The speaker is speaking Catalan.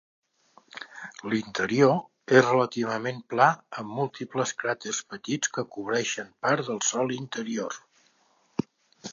L'interior és relativament pla, amb múltiples cràters petits que cobreixen part del sòl interior.